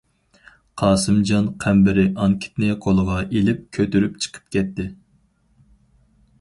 قاسىمجان قەمبىرى ئانكىتنى قولىغا ئېلىپ كۆتۈرۈپ چىقىپ كەتتى.